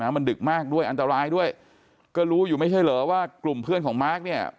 มันดึกมากด้วยอันตรายด้วยก็รู้อยู่ไม่ใช่เหรอว่ากลุ่มเพื่อนของมาร์คเนี่ย